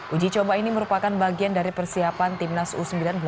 uji coba ini merupakan bagian dari persiapan timnas u sembilan belas